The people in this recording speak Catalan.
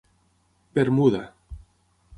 Bermuda.